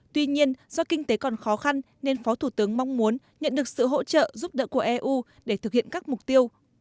tuy nhiên do kinh tế còn khó khăn nên phó thủ tướng mong muốn nhận được sự hỗ trợ giúp đỡ của eu để thực hiện các mục tiêu